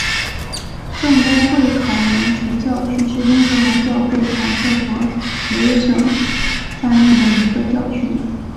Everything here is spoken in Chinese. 圣公会考文垂教区是英格兰教会坎特伯雷教省下面的一个教区。